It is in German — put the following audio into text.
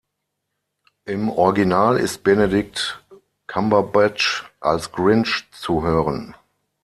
Im Original ist Benedict Cumberbatch als Grinch zu hören.